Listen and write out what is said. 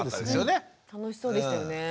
楽しそうでしたよね。